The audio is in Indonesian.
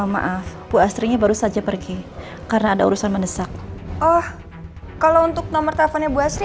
maaf bu asrinya baru saja pergi karena ada urusan mendesak oh kalau untuk nomor teleponnya bu asli